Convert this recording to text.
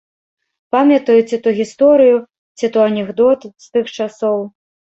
Памятаю ці то гісторыю, ці то анекдот з тых часоў.